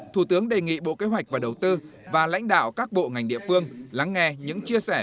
thủ tướng đề nghị bộ kế hoạch và đầu tư và lãnh đạo các bộ ngành địa phương lắng nghe những chia sẻ